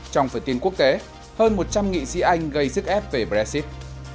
trong phần tin quốc tế hơn một trăm linh nghị sĩ anh gây sức ép về brexit